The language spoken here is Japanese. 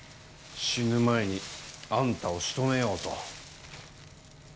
死ぬ前にあんたを仕留めようと。